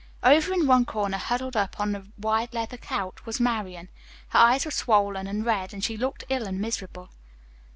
Over in one corner, huddled up on the wide leather couch, was Marian. Her eyes were swollen and red, and she looked ill and miserable.